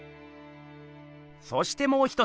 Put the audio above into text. そしてもう一つ！